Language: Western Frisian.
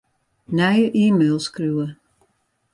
Nije e-mail skriuwe.